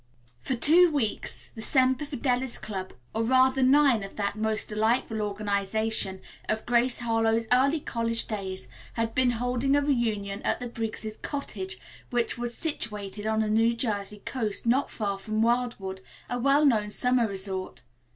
For two weeks the Semper Fidelis Club, or, rather, nine of that most delightful organization of Grace Harlowe's early college days, had been holding a reunion at the Briggs' cottage, which was situated on the New Jersey coast, not far from Wildwood, a well known summer resort.